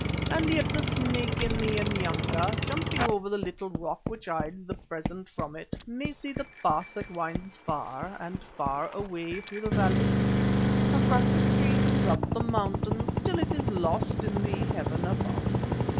And yet the Snake in the Inyanga, jumping over the little rock which hides the present from it, may see the path that winds far and far away through the valleys, across the streams, up the mountains, till it is lost in the 'heaven above.